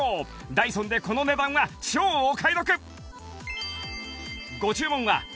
ダイソンでこの値段は超お買い得！